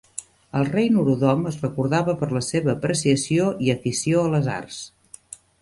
El rei Norodom es recordava per la seva apreciació i afició a les arts.